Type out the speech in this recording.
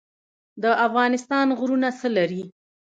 د افغانستان غرونه څه لري؟